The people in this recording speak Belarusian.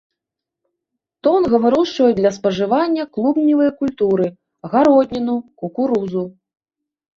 Тонга вырошчваюць для спажывання клубневыя культуры, гародніну, кукурузу.